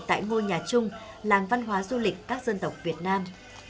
tại ngôi nhà chung làng văn hóa du lịch các dân tộc việt nam